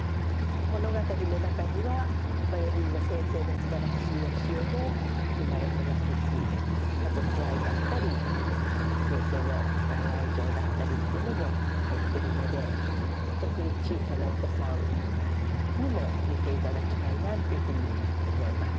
物語の中にはバイオリンの先生のすばらしい教えも含まれてますし家族愛だったり先生の深い愛情だったりっていうのも入ってるので特に小さなお子さんにも見ていただきたいなっていうふうに思います。